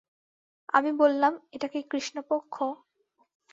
আমি বললাম এটা কি কৃষ্ণপক্ষ?